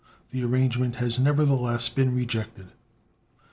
The arrangement has nevertheless been rejected.